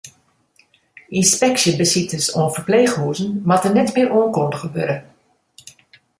Ynspeksjebesites oan ferpleechhûzen moatte net mear oankundige wurde.